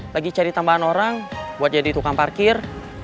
lagi cari tambahan orang buat jadi tukang parkir